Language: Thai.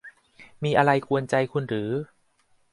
มีอะไรกวนใจคุณหรือ